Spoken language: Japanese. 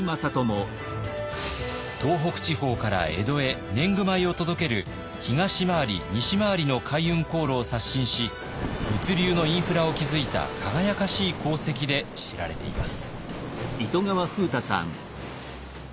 東北地方から江戸へ年貢米を届ける東廻り西廻りの海運航路を刷新し物流のインフラを築いた輝かしい功績で知られています。